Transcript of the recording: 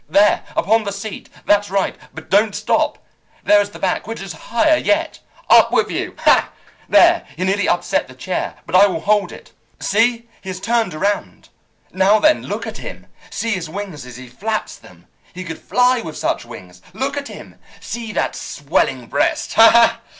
There! Upon the seat! That's right, but don't stop. There is the back, which is higher yet! Up with you! Ha! There, he nearly upset the chair, but I will hold it. See! He has turned around. Now, then, look at him. See his wings as he flaps them! He could fly with such wings. Look at him! See that swelling breast! Ha, ha!